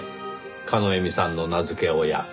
叶笑さんの名付け親。